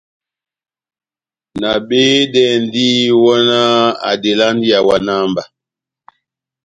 Nabehedɛndi, wɔhɔnáh adelandi ihawana mba.